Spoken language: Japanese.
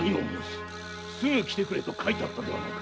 「すぐ来てくれ」と書いてあったではないか。